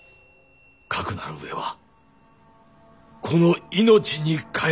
かくなるうえはこの命に代えても。